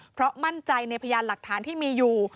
เพราะมั่นใจในพยานหลักฐานที่มีอยู่